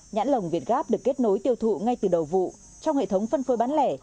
nhãn lồng việt gáp được kết nối tiêu thụ ngay từ đầu vụ trong hệ thống phân phối bán lẻ